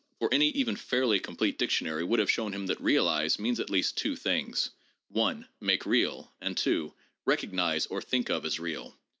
For any even fairly complete dictionary would have shown him that ' realize ' means at least two things: (1) 'make real,' and (2) 'recognize or think of as real.'